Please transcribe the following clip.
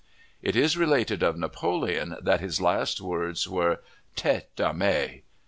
It is related of Napoleon that his last words were, "Tete d'armee!"